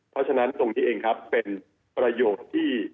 เพราะฉะนั้นตรงนี้เองครับเป็นประโยชน์ที่